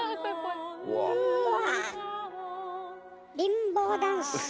うわ！